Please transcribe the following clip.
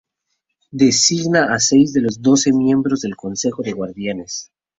Designa a seis de los doce miembros del Consejo de Guardianes.